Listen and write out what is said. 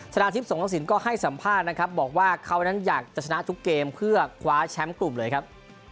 ชนะทิพย์สงกระสินก็ให้สัมภาษณ์นะครับบอกว่าเขานั้นอยากจะชนะทุกเกมเพื่อคว้าแชมป์กลุ่มเลยครับ